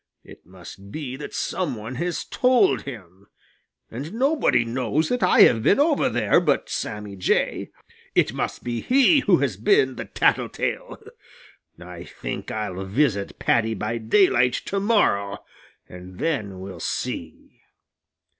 It must be that some one has told him. And nobody knows that I have been over there but Sammy Jay. It must be he who has been the tattletale. I think I'll visit Paddy by daylight to morrow, and then we'll see!"